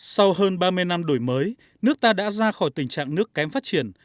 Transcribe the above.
sau hơn ba mươi năm đổi mới nước ta đã ra khỏi tình trạng nước kém phát triển